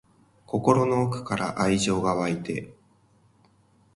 心の奥から愛情が湧いて